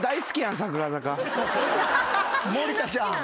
森田ちゃん。